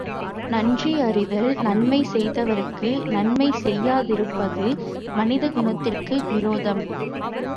நன்றியறிதல் நன்மை செய்தவர்க்கு நன்மை செய்யாதிருப்பது மனித குணத்திற்கு விரோதம்.